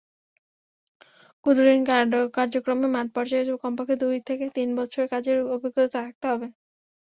ক্ষুদ্রঋণ কার্যক্রমে মাঠপর্যায়ে কমপক্ষে দুই থেকে তিন বছরের কাজের অভিজ্ঞতা থাকতে হবে।